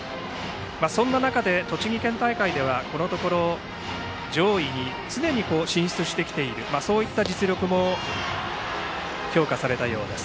そんな中で栃木県大会ではこのところ上位に常に進出してきているというそういった実力も評価されたようです。